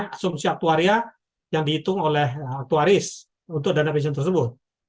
asumsi aktuaria yang dihitung oleh aktuaris untuk dana pensiun tersebut